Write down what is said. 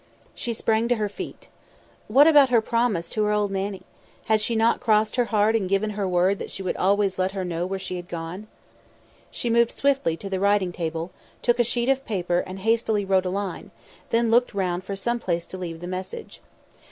She sprang to her feet. What about her promise to her old Nannie? Had she not crossed her heart and given her word that she would always let her know where she had gone? She moved swiftly to the writing table, took a sheet of paper and hastily wrote a line; then looked round for some place to leave the message.